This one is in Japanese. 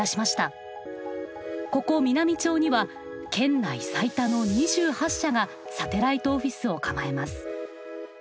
ここ美波町には県内最多の２８社がサテライトオフィスを構えます。